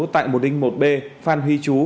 tại một trăm linh một b phan huy trú